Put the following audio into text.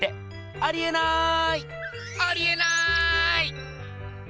ありえない！